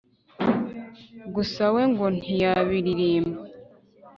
gusa we ngo ntiyabiririmba